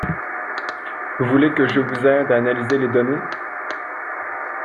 Vous voulez que je vous aide à analyser les données?